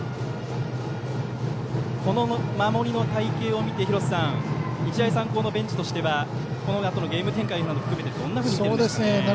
この守りの隊形を見て日大三高のベンチとしてはこのあとのゲーム展開を含めてどう見ますか？